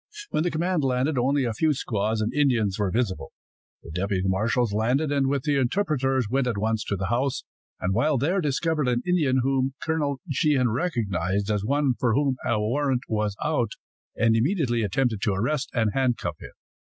When the command landed, only a few squaws and Indians were visible. The deputy marshals landed, and with the interpreters went at once to the house, and while there discovered an Indian whom Colonel Sheehan recognized as one for whom a warrant was out, and immediately attempted to arrest and handcuff him.